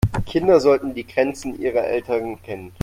Kinder sollten die Grenzen ihrer Eltern kennen.